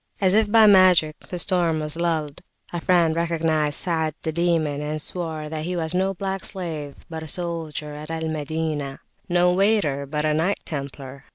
As if by magic, the storm was lulled. A friend recognised Sa'ad the Demon, and swore that he was no black slave, but a soldier at Al Madinah "no waiter, but a Knight Templar."